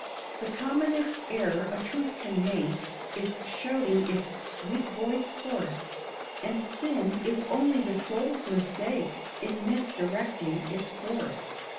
The commonest error a truth can make Is shouting its sweet voice hoarse, And sin is only the soul's mistake In misdirecting its force.